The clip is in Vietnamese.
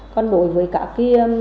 còn đối với các hồ kinh doanh này